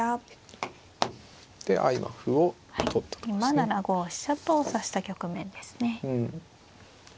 今７五飛車と指した局面ですね。